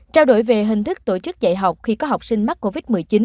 trao đổi về hình thức tổ chức dạy học khi có học sinh mắc covid một mươi chín